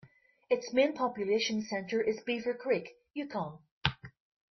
Its main population centre is Beaver Creek, Yukon.